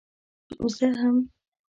زه هم.